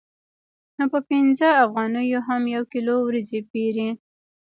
نو په پنځه افغانیو هم یو کیلو وریجې پېرو